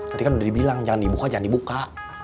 nanti kan udah dibilang jangan dibuka jangan dibuka